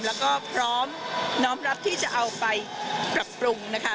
แล้วก็พร้อมน้อมรับที่จะเอาไปปรับปรุงนะคะ